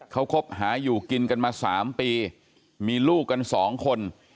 เขาคบหาอยู่กินกันมา๓ปีมีลูกกันสองคน